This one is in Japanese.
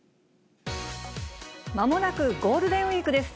まもなくゴールデンウィークです。